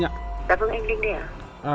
dạ vâng anh linh đây ạ